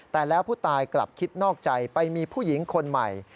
แต่แล้วผู้ตายกลับคิดนอกใจไปมีผู้หญิงคนใหม่